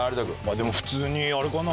でも普通にあれかな。